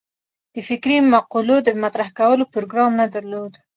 د فکري مقولو د مطرح کولو پروګرام نه درلود.